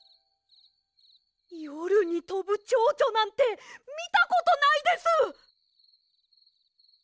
よるにとぶチョウチョなんてみたことないです！